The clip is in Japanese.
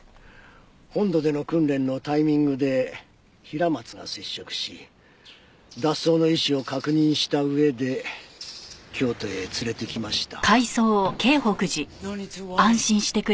本土での訓練のタイミングで平松が接触し脱走の意思を確認した上で京都へ連れてきました。